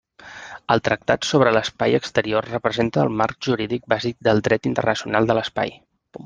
El Tractat sobre l'espai exterior representa el marc jurídic bàsic del dret internacional de l'espai.